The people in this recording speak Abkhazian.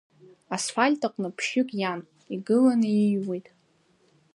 Асфальт аҟны ԥшьҩык иан, игыланы иҩуеит.